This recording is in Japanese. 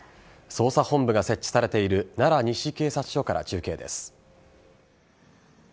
捜査本部が設置されている奈良西警察署から中継です。